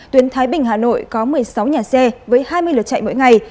tuyến thái bình hà nội có một mươi sáu nhà xe với hai mươi lượt chạy mỗi ngày